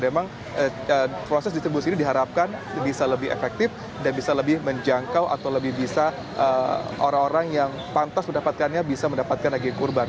memang proses distribusi ini diharapkan bisa lebih efektif dan bisa lebih menjangkau atau lebih bisa orang orang yang pantas mendapatkannya bisa mendapatkan daging kurban